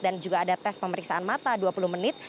juga ada tes pemeriksaan mata dua puluh menit